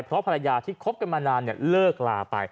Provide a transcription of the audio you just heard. เพราะภรรยาที่คบกันมานานเลิกลาไป